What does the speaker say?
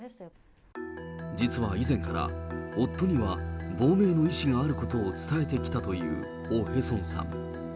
実は以前から、夫には亡命の意思があることを伝えてきたというオ・ヘソンさん。